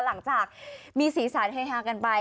หลังจากมีสีสันเฮฮากันไป